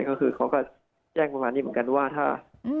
เขาก็แจ้งความง่ายนี่เหมือนกันว่า